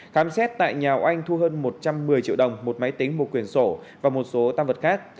khám xét tại nhà oanh thu hơn một trăm một mươi triệu đồng một máy tính một quyển sổ và một số tam vật khác